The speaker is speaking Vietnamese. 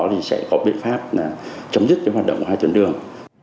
chúng tôi sẽ dọn hết rác thải và chống dứt những hoạt động hai tuyến đường